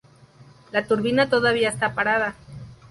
La turbina todavía está parada.